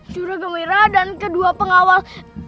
juragamira dan kedua pengawal